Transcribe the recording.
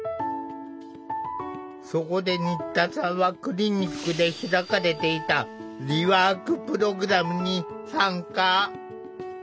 そこで新田さんはクリニックで開かれていたリワークプログラムに参加。